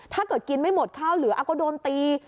ถ้าเกิดกินไม่หมดข้าวเหลือก็โดนตี